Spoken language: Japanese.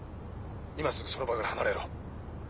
今すぐその場から離れろ。